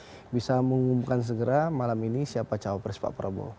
untuk bisa mengumumkan segera malam ini siapa cawapres pak prabowo